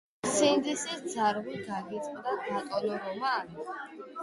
სინდისის ძარღვი გაგიწყდათ ბატონო რომან?